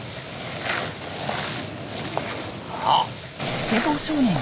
あっ！